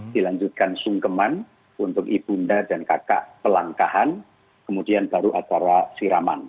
dilanjutkan sungkeman untuk ibunda dan kakak pelangkahan kemudian baru acara siraman